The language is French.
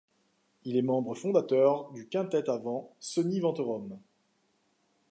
Il est membre fondateur du quintette à vent Soni Ventorum.